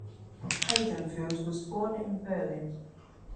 Heidenfeld was born in Berlin.